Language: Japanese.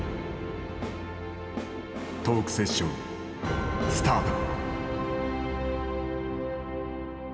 トークセッション、スタート。